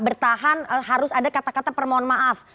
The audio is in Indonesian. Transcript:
bertahan harus ada kata kata permohon maaf